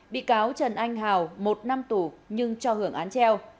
bị cáo trần anh hào một năm tù nhưng cho hưởng án treo